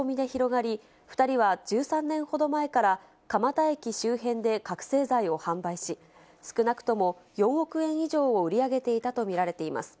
客は口コミで広がり、２人は１３年ほど前から蒲田駅周辺で覚醒剤を販売し、少なくとも４億円以上を売り上げていたと見られています。